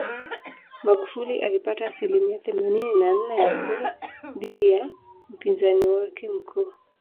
Magufuli alipata asilimia themanini na nne ya kura dhidi ya mpinzani wake mkuu